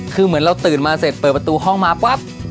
คือเหมือนเราตื่นมาเสร็จเปิดประตูห้องมาปั๊บ